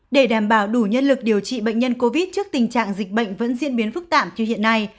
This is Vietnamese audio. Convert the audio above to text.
để đảm bảo đủ nhân lực điều trị bệnh nhân covid trước tình trạng dịch bệnh vẫn diễn biến phức tạp như hiện nay